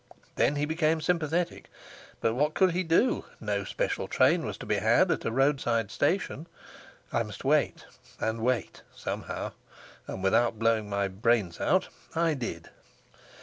Then he became sympathetic; but what could he do? No special train was to be had at a roadside station: I must wait; and wait, somehow, and without blowing my brains out, I did.